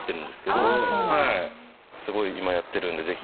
すごい今やってるんで。